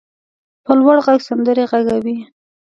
په لوړ غږ سندرې غږوي.